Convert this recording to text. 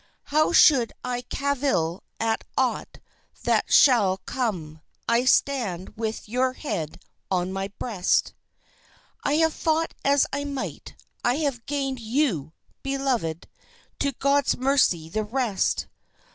How should I cavil at aught that shall come I stand with your head on my breast I have fought as I might I have gained you, beloved ... to God's mercy the rest!